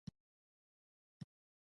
غور د کوم تاریخي منار کور دی؟